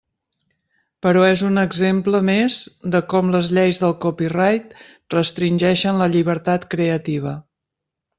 Però és un exemple més de com les lleis del copyright restringeixen la llibertat creativa.